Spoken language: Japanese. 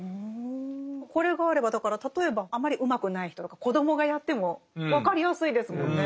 これがあればだから例えばあまりうまくない人とか子どもがやっても分かりやすいですもんね。